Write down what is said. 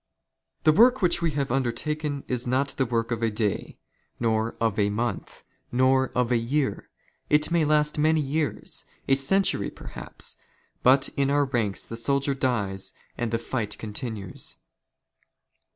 " The work which we have undertaken is not the work of a " day, nor of a month, nor of a year. It may last many years, a '' century perhaps, but in our ranks the soldier dies and the fight " continues.